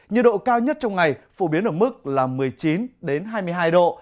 nhiệt độ cao nhất trong ngày phổ biến ở mức là một mươi chín hai mươi hai độ